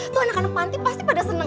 tuh anak anak panti pasti pada senang